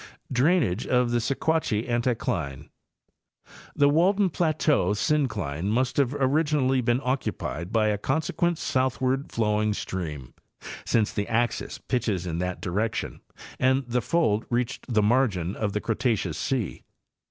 Drainage of the Sequatchie Anticline—The Walden plateau syn cline must originally have been occupied by a consequent south ward flowing stream, since the axis pitches in that direction and the fold reached the margin of the Cretaceous sea.